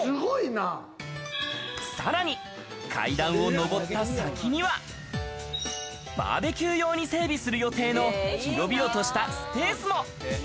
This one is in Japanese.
さらに階段を上った先には、バーベキュー用に整備する予定の広々としたスペースも。